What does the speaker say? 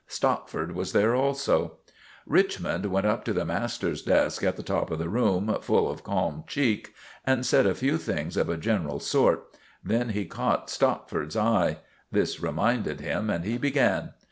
Stopford was also there. Richmond went up to the master's desk at the top of the room, full of calm cheek, and said a few things of a general sort; then he caught Stopford's eye. This reminded him and he began.